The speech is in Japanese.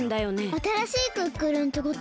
あたらしいクックルンってこと？